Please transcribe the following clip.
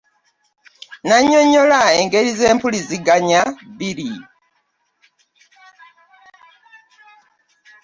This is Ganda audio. Nyonnyola enger I z'empuliziganya bbiri.